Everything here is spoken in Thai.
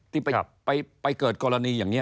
ที่ไปเกิดกรณีอย่างนี้